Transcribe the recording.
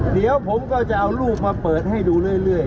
เดี๋ยวผมก็จะเอารูปมาเปิดให้ดูเรื่อย